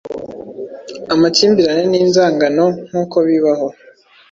amakimbirane ninzangano-nkuko bibaho